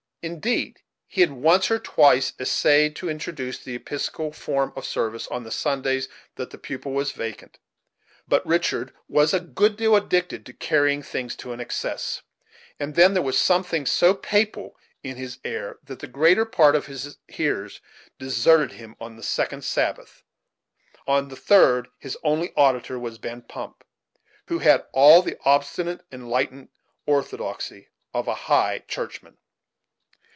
Indeed, he had once or twice essayed to introduce the Episcopal form of service, on the Sundays that the pulpit was vacant; but Richard was a good deal addicted to carrying things to an excess, and then there was some thing so papal in his air that the greater part of his hearers deserted him on the second Sabbath on the third his only auditor was Ben Pump, who had all the obstinate and enlightened orthodoxy of a high churchman.